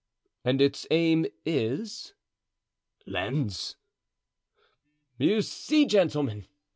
"And its aim is?" "Lens." "You see; gentlemen!"